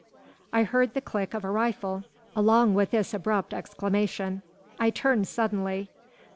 I heard the click of a rifle along with this abrupt exclamation. I turned suddenly.